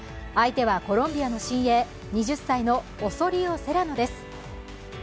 相手はコロンビアの新鋭、２０歳のオソリオ・セラノです。